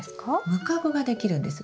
ムカゴができるんです。